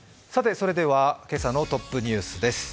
それでは、今朝のトップニュースです。